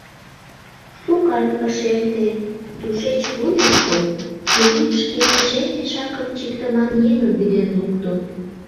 Шукат ыш эрте — тушеч вуйышко, чурийышке шем мешакым чиктыман еҥым вӱден лукто.